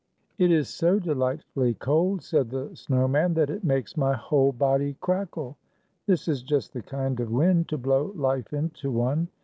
"It is so delightfully cold," said the snow man, " that it makes my whole body crackle. This is just the kind of wind to blow life into one.